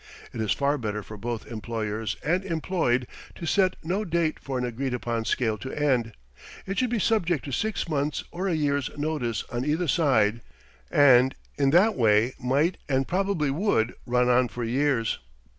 It is far better for both employers and employed to set no date for an agreed upon scale to end. It should be subject to six months' or a year's notice on either side, and in that way might and probably would run on for years.